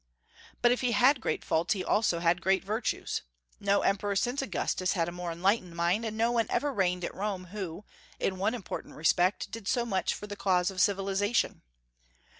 But if he had great faults he had also great virtues. No emperor since Augustus had a more enlightened mind, and no one ever reigned at Rome who, in one important respect, did so much for the cause of civilization.